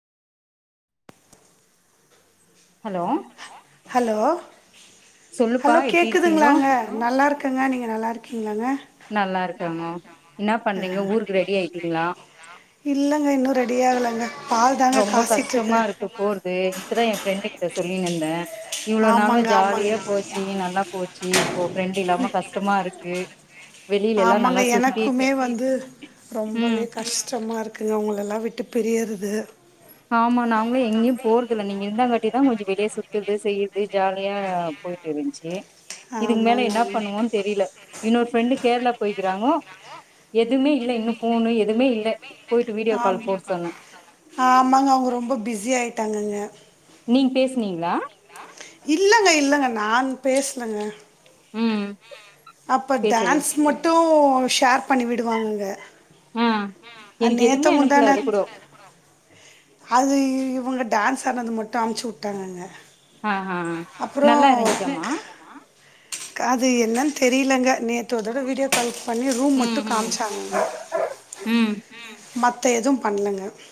hello hello சொல்லுப்பா hello எப்டி இருக்கீங்கோ கேக்குதுங்களாங்க நல்லா இருக்கங்க நீங்க நல்லா இருக்க க்கீங்கள நல்லா இருக்காங்க என்ன ஆ பண்றீங்க ஊருக்கு ரெடி ஆயிட்டீங்களா இல்லைங்க இன்னும் ரெடி ஆகலைங்க பால் தாங்க ரொம்ப கஷ்டமா காய்ச்சிட்ருக்குறேன் இருக்கு போறது இப்பதா என் ஃப்ரெண்டு சொல்லிந்தே இவ்வளவு நாளும் ஆமாங்க ஆமாங்க ஜாலியா போச்சு நல்லா போச்சு இப்போ ஃப்ரெண்ட் இல்லாம கஷ்டமா இருக்கு வெளில எல்லா ஆமாங்க நல்லா சுத்திட் எனக்குமே வந்து உம் எல்லா விட்டு பிரியரது ஆமா நாங்களு எங்கையு போற்தில்ல நீங்க இருந்தாங்கட்டி தா கொஞ்சம் வெளியே சுத்துறது செய்யறது ஜாலியா போயிட்டு இருந்துச்சு இதுக்கு மேல ஆமாங்க என்ன ஆமா பண்ணுவோனு தெரியல இன்னொரு ஃப்ரெண்ட் கேரளா போய்க்கிறாங்கோ எதுமே இல்ல இன்னு ஃபோனு எதுமே இல்ல போயிட்டு வீடியோ ஆம் கால் போட சொன்னா ஆ ஆமாங்க அவங்க ரொம்ப பிஸி ஆயிட்டாங்கங்க நீங் பேசுனீங்களா இல்லங்க இல்லங்க நான் பேசலங்க ம் அப்ப பேசவே டான்ஸ் மட்டு கோ ஷேர் பண்ணி விடுவாங்கங்க ஆ எனக்கு எதுமே அனுப்பல நேத்தமுந்தான அதுகூட அது இவங்க டான்ஸ் ஆட்னது மட்டும் அமைச்சு விட்டாங்கங்க ஆஹா நல்லா இருந்துச்சாம்மா காது அது என்னன்னு தெரியலங்க நேத்து ஒரு தடவ வீடியோ கால் பண்ணி ரூம் ம் மட்டும் ம் காமிச்சாங்கங்க ம் மத்த எதுவும் பண்லங்க